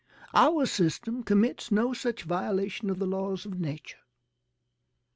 "Our system commits no such violation of the laws of nature.